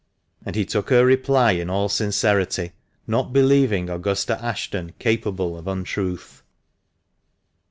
and he took her reply in all sincerity, not believing Augusta Ashton capable of untruth.